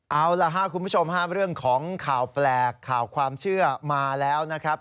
เอาล่ะครับคุณผู้ชมฮะเรื่องของข่าวแปลกข่าวความเชื่อมาแล้วนะครับ